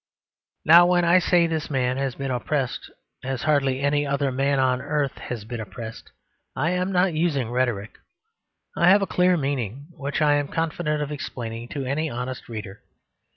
Now when I say that this man has been oppressed as hardly any other man on this earth has been oppressed, I am not using rhetoric: I have a clear meaning which I am confident of explaining to any honest reader.